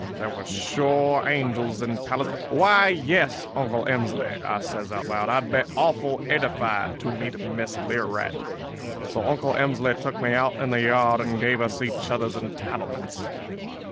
There was sure angels in Pales—Why, yes, Uncle Emsley,' I says out loud, 'I'd be awful edified to meet Miss Learight.' "So Uncle Emsley took me out in the yard and gave us each other's entitlements.